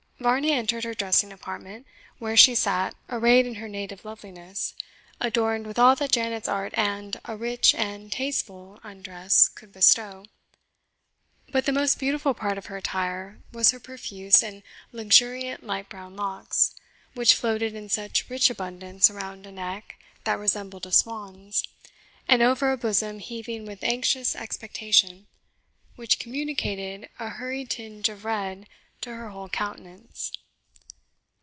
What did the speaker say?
Varney entered her dressing apartment, where she sat arrayed in her native loveliness, adorned with all that Janet's art and a rich and tasteful undress could bestow. But the most beautiful part of her attire was her profuse and luxuriant light brown locks, which floated in such rich abundance around a neck that resembled a swan's, and over a bosom heaving with anxious expectation, which communicated a hurried tinge of red to her whole countenance.